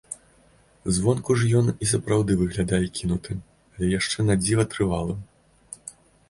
Звонку ж ён і сапраўды выглядае кінутым, але яшчэ надзіва трывалым.